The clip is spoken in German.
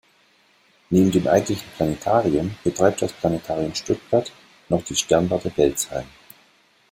Neben dem eigentlichen Planetarium betreibt das Planetarium Stuttgart noch die Sternwarte Welzheim.